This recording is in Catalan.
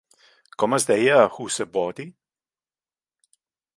Com es deia a Whose Body?